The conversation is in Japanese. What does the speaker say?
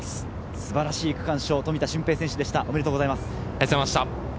素晴らしい区間賞、富田峻平選手でした。